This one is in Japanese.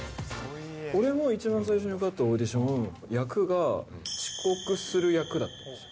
俺も一番最初に受かったオーディション、役が、遅刻する役だったんですよ。